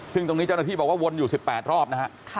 ซึ่งตรงนี้เจ้าหน้าที่บอกว่าวนอยู่๑๘รอบนะฮะ